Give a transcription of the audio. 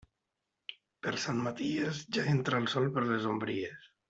Per Sant Maties, ja entra el sol per les ombries.